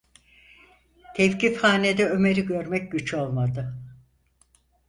Tevkifhanede Ömer’i görmek güç olmadı.